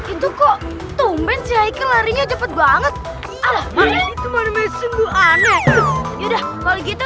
itu kok tumben cek larinya cepet banget